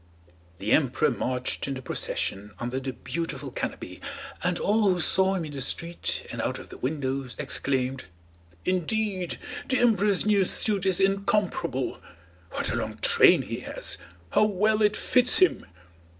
The emperor marched in the procession under the beautiful canopy, and all who saw him in the street and out of the windows exclaimed: "Indeed, the emperor's new suit is incomparable! What a long train he has! How well it fits him!"